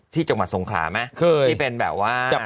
ที่จังหวัดสงขามั้ยที่เป็นแบบว่า